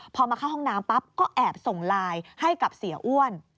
พอมาเข้าห้องน้ำปั๊บก็แอบส่งไลน์ให้กับเสียอ้วน